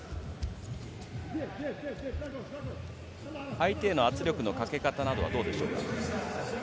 相手への圧力のかけ方などはどうでしょうか？